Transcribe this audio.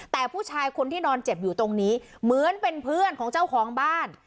แต่ผู้ชายคนที่นอนเจ็บอยู่ตรงนี้เหมือนเป็นเพื่อนของเจ้าของบ้าน